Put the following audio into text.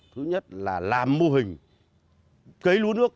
thứ nhất là làm mô hình cấy lúa nước